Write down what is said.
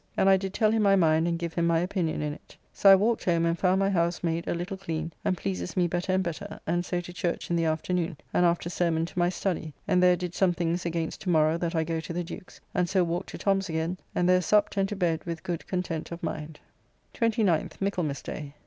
And I did tell him my mind and give him my opinion in it. So I walked home and found my house made a little clean, and pleases me better and better, and so to church in the afternoon, and after sermon to my study, and there did some things against to morrow that I go to the Duke's, and so walked to Tom's again, and there supped and to bed with good content of mind. 29th (Michaelmas day).